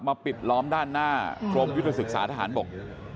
ปิดล้อมด้านหน้ากรมยุทธศึกษาทหารบก